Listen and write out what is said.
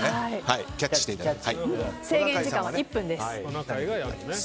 制限時間は１分です。